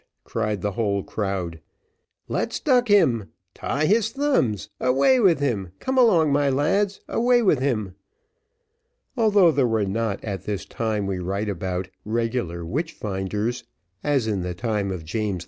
cried the whole crowd. "Let's duck him tie his thumbs away with him come along, my lads, away with him." Although there were not, at the time we write about, regular witch finders, as in the time of James I.